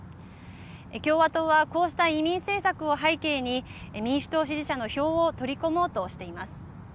共和党はこうした移民政策を背景に民主党支持者の票を取り込もうとしています。